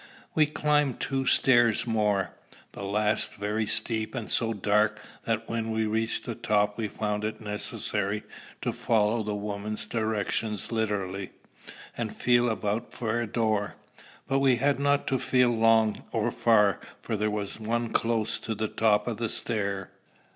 We climbed two stairs more, the last very steep, and so dark that when we reached the top we found it necessary to follow the woman's directions literally, and feel about for a door. But we had not to feel long or far, for there was one close to the top of the stair.